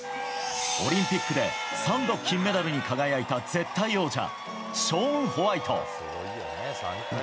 オリンピックで３度金メダルに輝いた絶対王者ショーン・ホワイト。